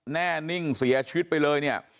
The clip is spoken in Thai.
แน่นิ่งเสียชีวิตไปเลยเนี่ย